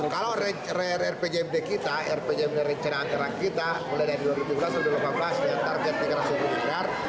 kalau rpjmd kita rpjmd rencana antara kita mulai dari dua ribu tujuh belas dua ribu delapan belas dengan target rp tiga ratus miliar